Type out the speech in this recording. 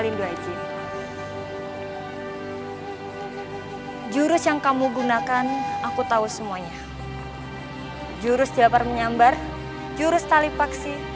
rindu jurus yang kamu gunakan aku tahu semuanya jurus japar menyambar jurus tali paksi